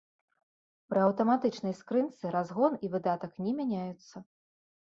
Пры аўтаматычнай скрынцы разгон і выдатак не мяняюцца.